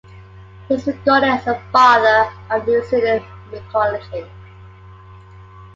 He is regarded as the 'Father' of New Zealand mycology.